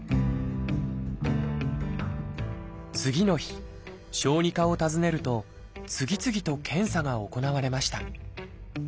次の日小児科を訪ねると次々と検査が行われました。